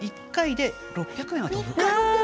１回で６００円は飛ぶ。